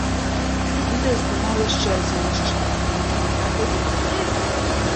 Відэа здымаў яшчэ адзін мужчына, які не трапіў у кадр.